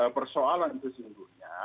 persoalan itu sejujurnya